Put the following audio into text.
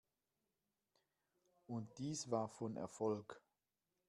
Und dies war von Erfolg.